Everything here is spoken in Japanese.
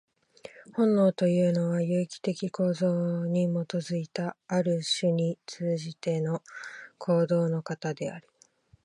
本能というのは、有機的構造に基いた、ある種に通じての行動の型である。